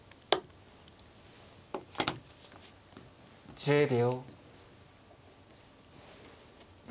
１０秒。